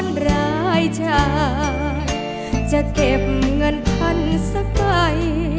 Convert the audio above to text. อ้อนร้ายชาติจะเก็บเงินพันธุ์สักไป